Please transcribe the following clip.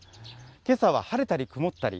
けさは晴れたり曇ったり。